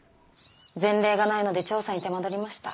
前例がないので調査に手間取りました。